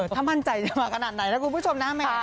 ถ้ามั่นใจจะมาขนาดไหนนะคุณผู้ชมนะแม่